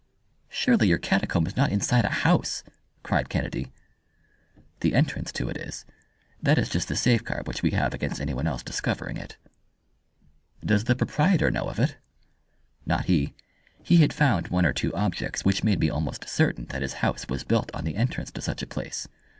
"Surely your catacomb is not inside a house!" cried Kennedy. "The entrance to it is. That is just the safeguard which we have against anyone else discovering it." "Does the proprietor know of it?" "Not he. He had found one or two objects which made me almost certain that his house was built on the entrance to such a place.